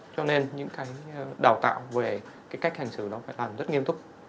cho nên những cái đào tạo về cái cách hành xử nó phải làm rất nghiêm túc